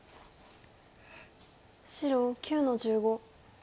白９の十五。